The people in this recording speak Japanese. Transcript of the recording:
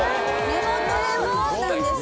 目元そうなんです